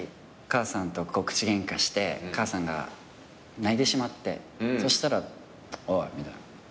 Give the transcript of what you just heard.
母さんと口ゲンカして母さんが泣いてしまってそしたら「おい」みたいな。